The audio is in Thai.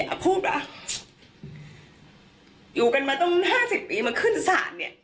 เอาพูดเหรออยู่กันมาตั้งห้าสิบปีมาขึ้นศาลเนี่ย